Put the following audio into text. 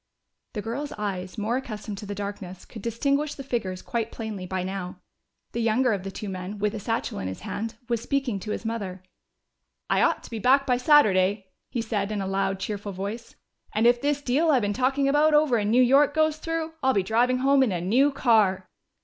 The girls' eyes, more accustomed to the darkness, could distinguish the figures quite plainly by now. The younger of the two men, with a satchel in his hand, was speaking to his mother. "I ought to be back by Saturday," he said in a loud, cheerful voice. "And if this deal I've been talking about over in New York goes through, I'll be driving home in a new car."